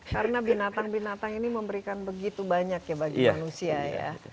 karena binatang binatang ini memberikan begitu banyak ya bagi manusia ya